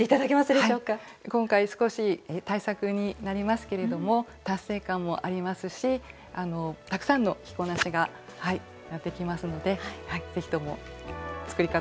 今回少し大作になりますけれども達成感もありますしたくさんの着こなしができますので是非とも作り方